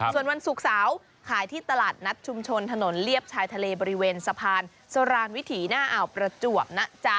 ส่วนวันศุกร์เสาร์ขายที่ตลาดนัดชุมชนถนนเลียบชายทะเลบริเวณสะพานสรานวิถีหน้าอ่าวประจวบนะจ๊ะ